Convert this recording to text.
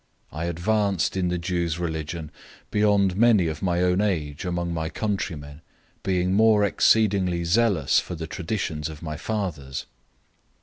001:014 I advanced in the Jews' religion beyond many of my own age among my countrymen, being more exceedingly zealous for the traditions of my fathers.